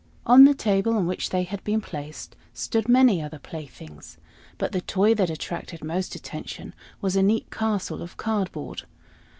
On the table on which they had been placed stood many other playthings, but the toy that attracted most attention was a neat castle of cardboard.